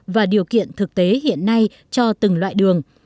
và điều kiện thực tế hiện nay cho từng loại đường